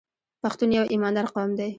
پښتون یو ایماندار قوم دی.